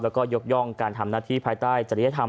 แล้วก็ยกย่องการทำหน้าที่ภายใต้จริยธรรม